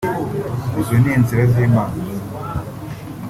izo ni inzira z’Imana…